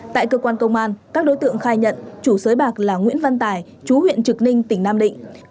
tại cơ quan công an các đối tượng khai nhận chủ sới bạc là nguyễn văn tài chú huyện trực ninh tỉnh nam định